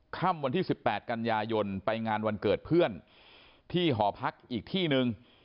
ค่ำวันที่๑๘กันยายนไปงานวันเกิดเพื่อนที่หอพักอีกที่นึง